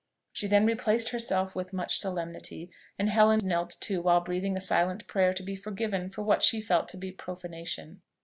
She then replaced herself with much solemnity; and Helen knelt too, while breathing a silent prayer to be forgiven for what she felt to be profanation.